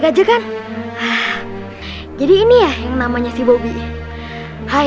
kayaknya ini deh kamarnya si bobby